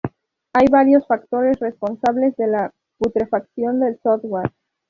Hay varios factores responsables de la putrefacción del software.